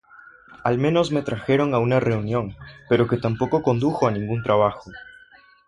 Al menos me trajeron a una reunión, pero que tampoco condujo a ningún trabajo.